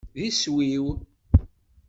D iswi-w.